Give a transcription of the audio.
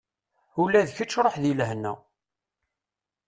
Ula d kečč ruḥ deg lehna.